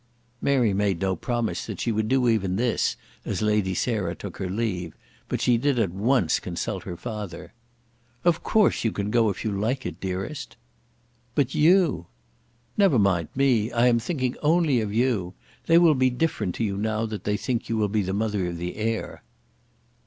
Mary made no promise that she would do even this as Lady Sarah took her leave; but she did at once consult her father. "Of course you can go if you like it, dearest." "But you!" "Never mind me. I am thinking only of you. They will be different to you now that they think you will be the mother of the heir."